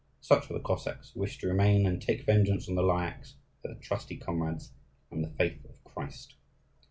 Such were the Cossacks who wished to remain and take vengeance on the Lyakhs for their trusty comrades and the faith of Christ.